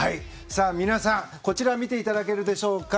皆さん、こちら見ていただけるでしょうか。